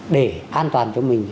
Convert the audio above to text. để an toàn cho mình